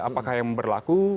apakah yang berlaku